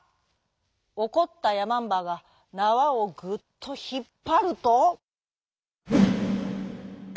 おこったやまんばがなわをグっとひっぱると。